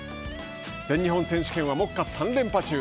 全日本選手権は目下３連覇中。